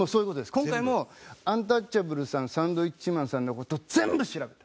今回もアンタッチャブルさんサンドウィッチマンさんの事全部調べた。